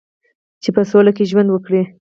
چې په سوله کې ژوند وکړي.